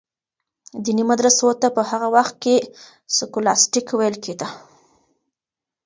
دیني مدرسو ته په هغه وخت کي سکولاستیک ویل کیده.